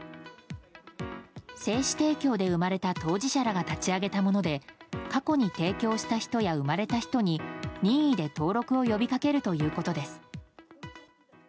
精子提供で生まれた当事者らが立ち上げたもので過去に提供した人や生まれた人に任意で登録を呼びかけるということです。